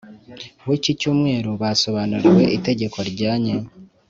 w’iki cyumweru basobanuriwe itegeko rijyanye